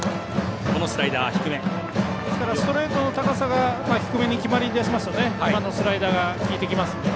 ストレートの高さが低めに決まりだしますとスライダーが効いてきますので。